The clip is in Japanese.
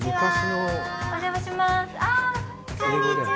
こんにちは。